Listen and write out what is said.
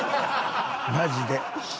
マジで。